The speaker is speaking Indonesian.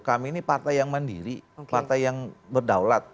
kami ini partai yang mandiri partai yang berdaulat